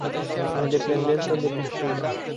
Sunt dependentă de pictură.